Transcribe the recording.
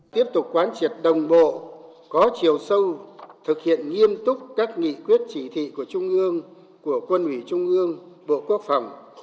tiếp tục quán triệt đồng bộ có chiều sâu thực hiện nghiêm túc các nghị quyết chỉ thị của trung ương của quân ủy trung ương bộ quốc phòng